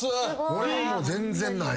俺はもう全然ない。